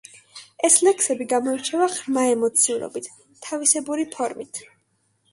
ეს ლექსები გამოირჩევა ღრმა ემოციურობით, თავისებური ფორმით.